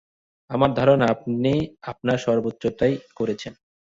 আমার ধারণা আপনি আপনার সর্বোচ্চটাই করেছেন।